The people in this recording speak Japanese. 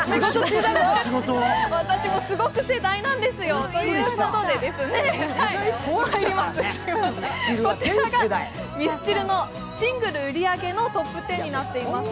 私もすごく世代なんですよ。ということでですね、こちらがミスチルのシングル売り上げのトップ１０になっています。